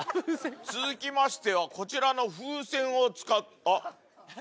続きましてはこちらの風船を使ったあっ！